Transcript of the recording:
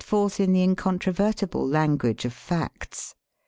333^ forth in the incontroyertible language of facts.